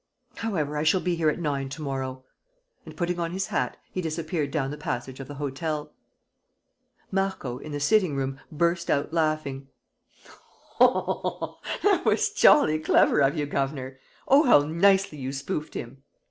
.. However, I shall be here at nine to morrow. ..." And, putting on his hat, he disappeared down the passage of the hotel. Marco, in the sitting room, burst out laughing: "That was jolly clever of you, governor! Oh, how nicely you spoofed him!"